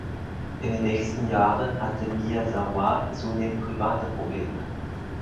In den nächsten Jahren hatte Miyazawa zunehmend private Probleme.